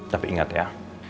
tapi ingat ya